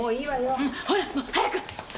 うんほらもう早く。